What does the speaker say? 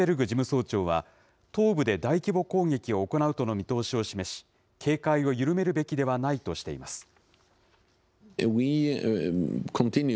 事務総長は、東部で大規模攻撃を行うとの見通しを示し、警戒を緩めるべきではないとしています。